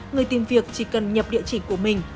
người tìm việc chỉ cần nhập địa chỉ của mình